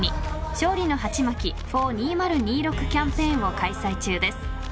勝利のハチマキｆｏｒ２０２６キャンペーン」を開催中です。